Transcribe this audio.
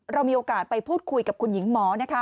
เรามีโอกาสไปพูดคุยกับคุณหญิงหมอนะคะ